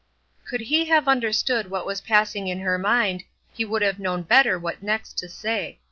Could he have understood what was passing in her mind he would have known better what next to say.